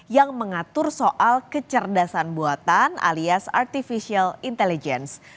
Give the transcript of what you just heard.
yang mengatur soal kecerdasan buatan alias artificial intelligence